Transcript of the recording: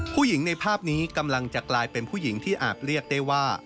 ผู้หญิงในภาพนี้กำลังจะกลายเป็นผู้หญิงที่อาจเรียกได้ว่า